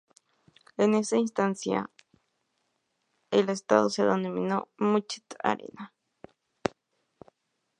En esa instancia, el estadio se denominó "München Arena".